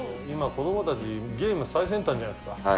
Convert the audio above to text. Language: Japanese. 今、子どもたち、ゲームが最先端じゃないですか。